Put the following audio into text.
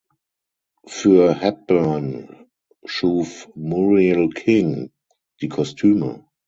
Für Hepburn schuf Muriel King die Kostüme.